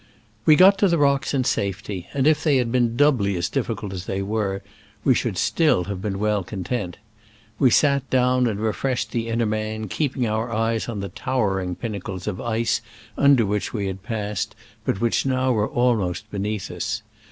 We got to the rocks in safety, and if they had been doubly as difficult as they were, we should still have been well content. We sat down and refreshed the inner man, keeping our eyes on the towering pinnacles of ice under which we had passed, but which now were almost beneath us.